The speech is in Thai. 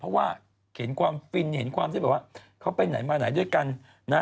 เพราะว่าเห็นความฟินเห็นความที่แบบว่าเขาไปไหนมาไหนด้วยกันนะ